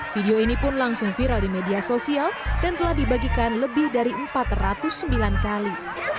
video ini pun langsung viral di media sosial dan telah dibagikan lebih dari empat ratus sembilan kali